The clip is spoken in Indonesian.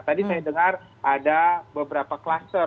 tadi saya dengar ada beberapa kluster